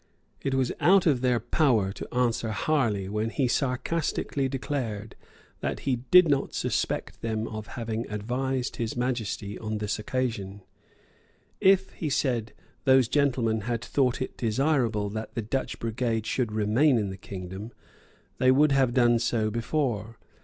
It was out of their power to answer Harley when he sarcastically declared that he did not suspect them of having advised His Majesty on this occasion. If, he said, those gentlemen had thought it desirable that the Dutch brigade should remain in the kingdom, they would have done so before.